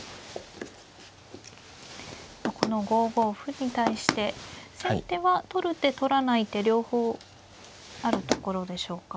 この５五歩に対して先手は取る手取らない手両方あるところでしょうか。